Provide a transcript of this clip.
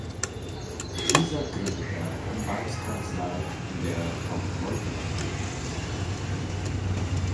Dieser gründete eine Anwaltskanzlei, in der er auch heute noch tätig ist.